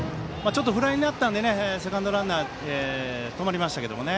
ちょっとフライになったのでセカンドランナー止まりましたけどね。